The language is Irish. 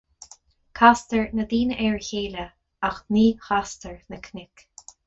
Castar na daoine ar a chéile, ach ní chastar na cnoic